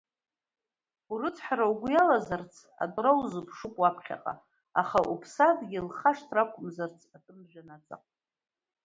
Урыцҳара угәы иалазарц атәра узыԥшуп уаԥхьаҟа, аха уԥсадгьыл хашҭра ақәмзарц атәым жәҩан аҵаҟа.